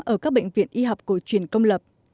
ở các bệnh viện y học cổ truyền công lập